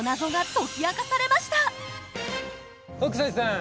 北斎さん